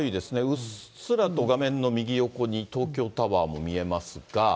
うっすらと画面の右横に東京タワーも見えますが。